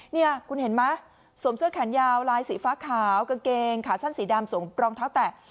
นี่คุณเห็นไหมสวมเสื้อแขนยาวลายสีฟ้าขาวกางเกงขาสั้นสีดำสวมรองเท้าแตะ